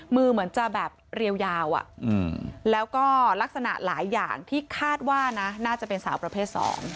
เหมือนจะแบบเรียวยาวแล้วก็ลักษณะหลายอย่างที่คาดว่านะน่าจะเป็นสาวประเภท๒